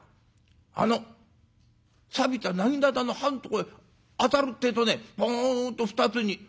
あのさびたなぎなたの刃んとこへ当たるってえとねパンっと二つに。